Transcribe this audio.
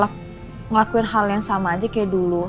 aku cuma ingin melakukan hal yang sama aja kaya dulu